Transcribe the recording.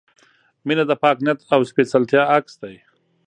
• مینه د پاک نیت او سپېڅلتیا عکس دی.